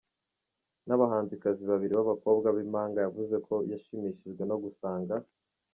nabahanzikazi babiri babakobwa bimpanga, yavuze ko yashimishijwe no gusanga.